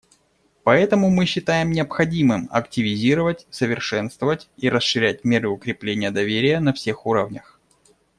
Поэтому мы считаем необходимым активизировать, совершенствовать и расширять меры укрепления доверия на всех уровнях.